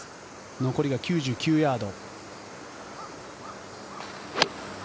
残りが９９ヤード。